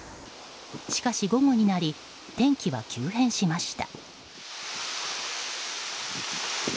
しかし、午後になり天気は急変しました。